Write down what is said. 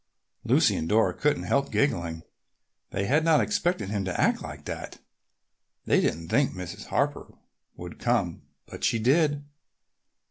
Lucy and Dora couldn't help giggling. They had not expected him to act like that. They didn't think Mrs. Harper would come, but she did.